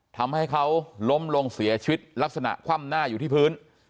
ทำให้เขาล้มลงเสียชีวิตลักษณะคว่ำหน้าอยู่ที่พื้น